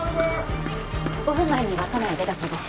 ５分前に稚内を出たそうです。